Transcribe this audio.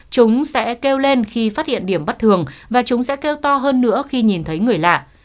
chúng sẽ kêu lên khi phát hiện điểm bất thường và chúng sẽ kêu to hơn nữa khi nhìn thấy người lạ